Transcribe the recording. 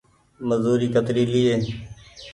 مزوري ڪتري ليئي ۔